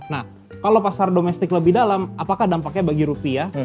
nah kalau pasar domestik lebih dalam apakah dampaknya bagi rupiah